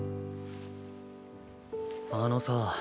あのさ。